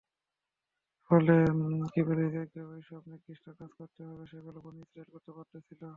ফলে কিবতীদেরকে ঐ সব নিকৃষ্ট কাজ করতে হবে যেগুলো বনী ইসরাঈল করতে বাধ্য ছিল।